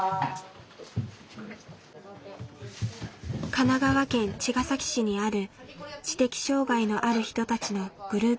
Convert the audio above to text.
神奈川県茅ヶ崎市にある知的障害のある人たちのグループホームです。